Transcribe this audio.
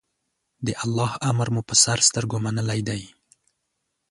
د الله امر مو په سر سترګو منلی دی.